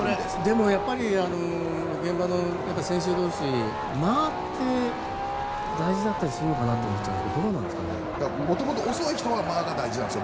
でもやっぱり現場の選手同士間って大事かなと思うんですが元々遅い人は間が大事なんです。